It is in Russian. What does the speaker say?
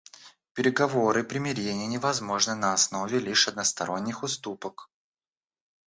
Переговоры и примирение невозможны на основе лишь односторонних уступок.